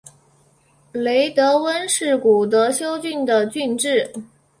雷德温是古德休郡的郡治。